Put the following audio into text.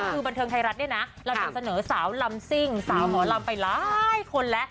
คือบันเทิงไทยรัฐเนี่ยนะเราจะเสนอสาวลำซิ่งสาวหมอลำไปหลายคนแล้ว